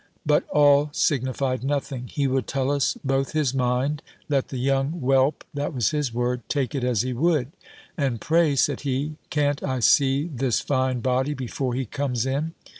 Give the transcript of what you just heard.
But all signified nothing. He would tell us both his mind, let the young whelp (that was his word) take it as he would "And pray," said he, "can't I see this fine body before he comes in?